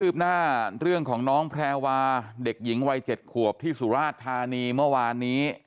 หน้าเรื่องของน้องแพรวาเด็กหญิงวัย๗ขวบที่สุราชธานีเมื่อวานนี้